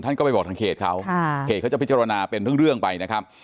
ท่านก็ไปบอกทางเขตเขาเขจะพิจารณาเป็นเรื่องรยัยไปนะครับ